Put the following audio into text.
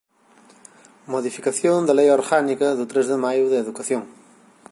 Modificación da Lei orgánica, do tres de maio, de educación.